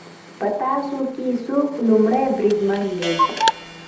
په تاسو کې څوک لومړی بریدمن دی